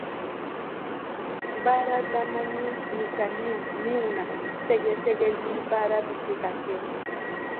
. Baara damani misaliw minw na sɛgɛsɛgɛlibaara bi se ka kɛ: